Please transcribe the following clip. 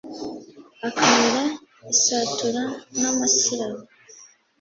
Akamira isatura n'amasirabo,